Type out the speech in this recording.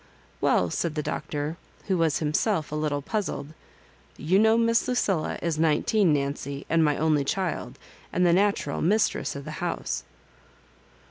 " Well," said the Doctor, who was himself a little puzzled, "you know Miss Lucilla is nme teen, Nancy, and my only child, and the natural mistress of the house."